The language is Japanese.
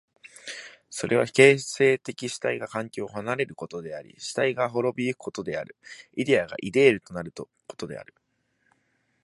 それは形成的主体が環境を離れることであり主体が亡び行くことである、イデヤがイデールとなることである。